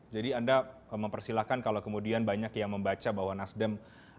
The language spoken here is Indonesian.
jadi anda mempersilahkan kalau kemudian banyak yang membaca bahwa nasdem